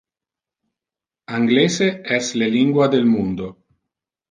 Anglese es le lingua del mundo.